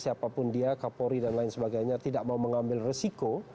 siapapun dia kapolri dan lain sebagainya tidak mau mengambil resiko